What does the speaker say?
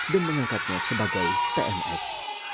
dan mengangkatnya sebagai tms